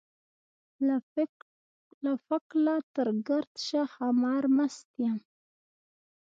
له فکله تر ګردشه خمار مست يم.